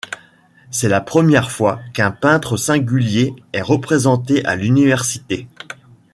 C'est la première fois qu'un peintre singulier est représenté à l'Université.